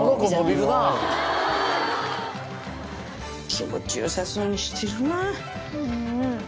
気持ちよさそうにしてるな。